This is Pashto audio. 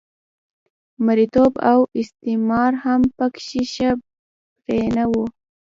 مریتوب او استثمار هم په کې ښه پرېنه و